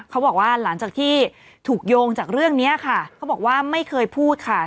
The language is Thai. เขาบอกว่าหลังจากที่ถูกโยงจากเรื่องนี้ค่ะเขาบอกว่าไม่เคยพูดค่ะ